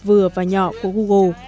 vừa và nhỏ của google